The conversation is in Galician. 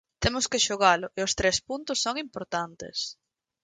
Temos que xogalo e os tres puntos son importantes.